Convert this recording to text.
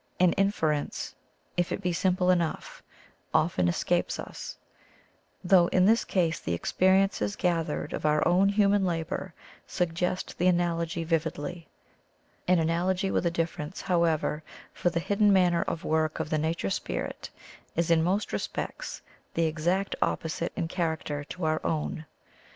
An inference, if it be simple enough, often escapes us, though in this case the experi ences gathered of our own human labour suggest the analogy vividly. An analogy with a difference, however, for the hidden manner of work of the nature spirit is in most respects the exact opposite in charac ter to our own.